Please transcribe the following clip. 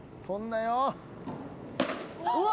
うわ！